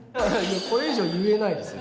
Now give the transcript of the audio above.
これ以上は言えないですよ。